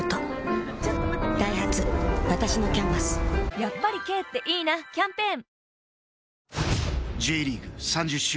やっぱり軽っていいなキャンペーン